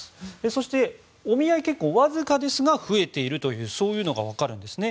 そしてお見合い結婚がわずかですが増えていえるというそういうのが分かるんですね。